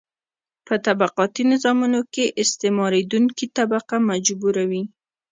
په طبقاتي نظامونو کې استثماریدونکې طبقه مجبوره وي.